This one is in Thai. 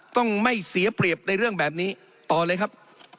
ต้องไม่เสียเปรียบในเรื่องแบบนี้ต่อเลยครับ